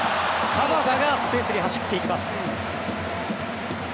鎌田がスペースに走っていきます。